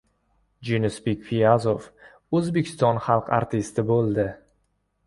Jenisbek Piyazov O‘zbekiston xalq artisti bo‘ldi